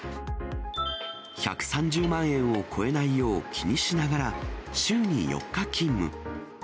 １３０万円を超えないよう気にしながら、週に４日勤務。